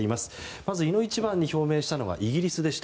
まずいの一番に表明したのはイギリスでした。